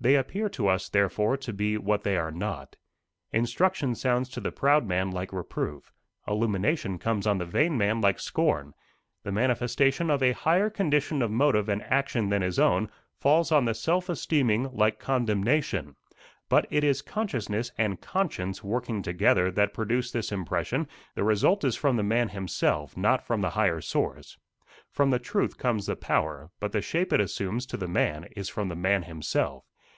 They appear to us, therefore, to be what they are not. Instruction sounds to the proud man like reproof; illumination comes on the vain man like scorn; the manifestation of a higher condition of motive and action than his own, falls on the self esteeming like condemnation; but it is consciousness and conscience working together that produce this impression; the result is from the man himself, not from the higher source. From the truth comes the power, but the shape it assumes to the man is from the man himself."